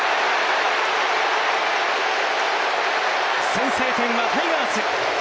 先制点はタイガース。